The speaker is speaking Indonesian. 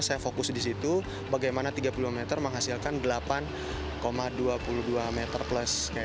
saya fokus di situ bagaimana tiga puluh lima meter menghasilkan delapan dua puluh dua meter plus